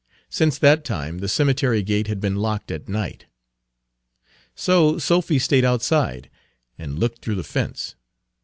Since that time the cemetery gate had been locked at night. So Sophy stayed outside, and looked through the fence.